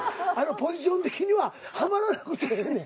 ポジション的にははまらなくてええねん。